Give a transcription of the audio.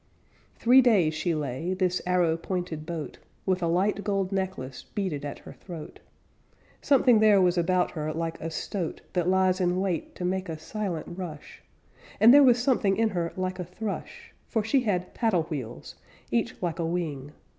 Three days she lay, this arrow pointed boat, With a light gold necklace, beaded at her throat, Something there was about her like a stoat That lies in wait to make a silent rush, And there was something in her like a thrush, For she had paddle wheels, each like a wing.